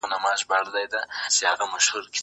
زه به د لوبو لپاره وخت نيولی وي!!